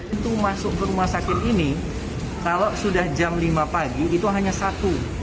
itu masuk ke rumah sakit ini kalau sudah jam lima pagi itu hanya satu